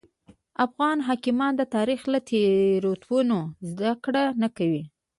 افغان حاکمان د تاریخ له تېروتنو زده کړه نه کوي.